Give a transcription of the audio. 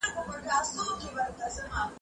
که کتاب لوستل سوی وای نو پوهه به نه کمېده.